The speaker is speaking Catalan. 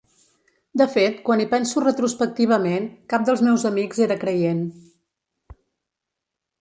De fet, quan hi penso retrospectivament, cap dels meus amics era creient.